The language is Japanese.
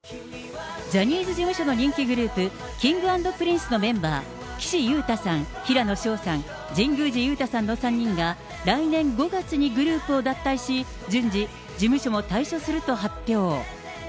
ジャニーズ事務所の人気グループ、Ｋｉｎｇ＆Ｐｒｉｎｃｅのメンバー、岸優太さん、平野紫耀さん、神宮寺勇太さんの３人が、来年５月にグループを脱退し、順次、事務所も退所すると発表。